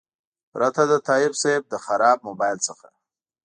پرته د تایب صیب له خراب موبایل څخه.